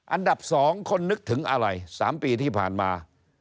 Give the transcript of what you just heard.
อันดับ๒คนนึกถึงอะไร๓ปีที่ผ่านมา